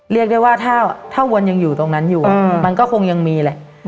เรียกได้ว่าถ้าวนยังอยู่ตรงนั้นอยู่มันก็คงยังมีแหละ